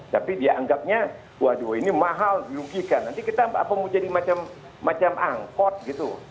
tapi dia anggapnya waduh ini mahal dilugikan nanti kita apa mau jadi macam angkot gitu